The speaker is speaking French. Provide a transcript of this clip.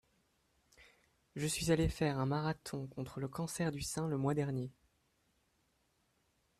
Je suis allé faire un marathon contre le cancer du sein le mois dernier.